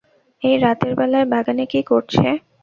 এই রাতের বেলায় বাগানে কী করছে!